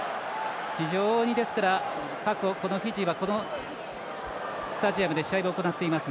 非常に、フィジーはこのスタジアムで過去、試合を行っています。